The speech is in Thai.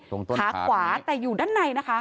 ต้นขาขวาแต่อยู่ด้านในนะคะ